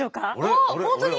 あっ本当に？